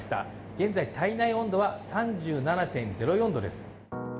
現在、体内温度は３７．０４度です。